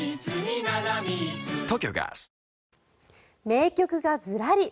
名曲がずらり。